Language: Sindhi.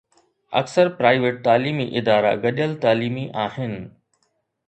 اڪثر پرائيويٽ تعليمي ادارا گڏيل تعليمي آهن.